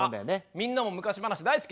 みんなも昔話大好きだよね！